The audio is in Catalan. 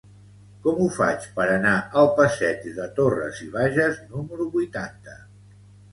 Com ho faig per anar al passeig de Torras i Bages número vuitanta?